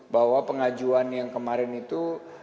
bahwa pengajuan yang kemarin itu